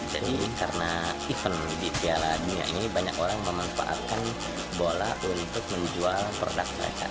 jadi karena event di piala dunia ini banyak orang memanfaatkan bola untuk menjual produk mereka